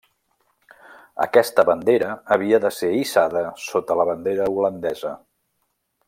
Aquesta bandera havia de ser hissada sota la bandera holandesa.